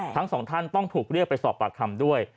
ทั้งสองท่านต้องถูกเรียกไปสอบปากคำด้วย